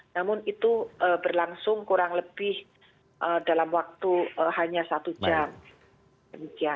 namun itu berlangsung kurang lebih dalam waktu hanya satu jam